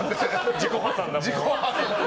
自己破産だ。